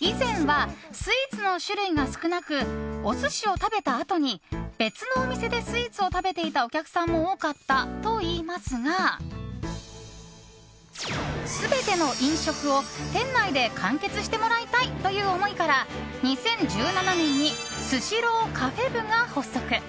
以前はスイーツの種類が少なくお寿司を食べたあとに別のお店でスイーツを食べていたお客さんも多かったといいますが全ての飲食を店内で完結してもらいたい！という思いから２０１７年にスシローカフェ部が発足。